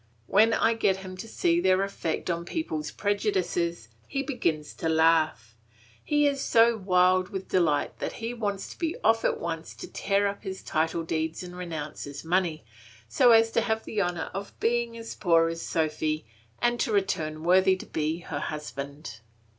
When I get him to see their effect on people's prejudices he begins to laugh; he is so wild with delight that he wants to be off at once to tear up his title deeds and renounce his money, so as to have the honour of being as poor as Sophy, and to return worthy to be her husband.